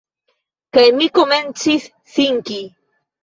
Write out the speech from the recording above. Kaj mi komencis sinki.